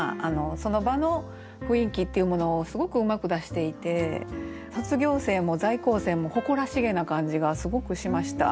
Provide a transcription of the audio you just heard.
その場の雰囲気っていうものをすごくうまく出していて卒業生も在校生も誇らしげな感じがすごくしました。